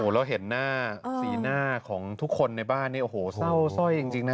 แล้วเห็นหน้าสีหน้าของทุกคนในบ้านนี้โอ้โหเศร้าสร้อยจริงนะ